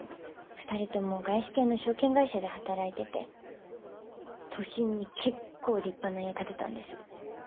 二人とも外資系の証券会社で働いてて都心に結構立派な家建てたんです。